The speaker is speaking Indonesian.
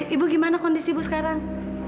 ibu gimana kondisi ibu sekarang